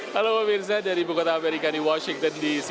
halo pemirsa dari ibu kota amerika di washington dc